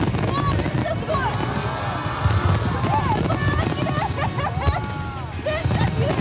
めっちゃきれい！